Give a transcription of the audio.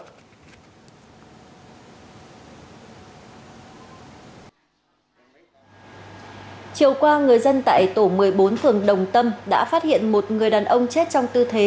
chiều qua người dân tại tổ một mươi bốn phường đồng tâm đã phát hiện một người đàn ông chết trong tư thế